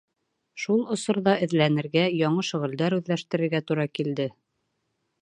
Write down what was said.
Шул осорҙа эҙләнергә, яңы шөғөлдәр үҙләштерергә тура килде.